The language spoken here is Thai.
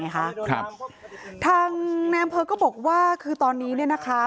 ค่ะทางแปลอำเบอร์ก็บอกว่าคือตอนนี้เนี่ยนะคะ